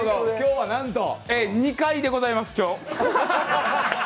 今日はなんと２階でございます。